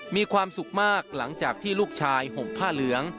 มีความสุขมากหลังจากที่ลูกชายห่มผ้าเหลือง